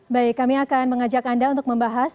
baik kami akan mengajak anda untuk membahas